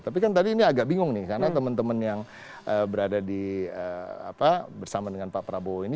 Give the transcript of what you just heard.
tapi kan tadi ini agak bingung nih karena teman teman yang berada bersama dengan pak prabowo ini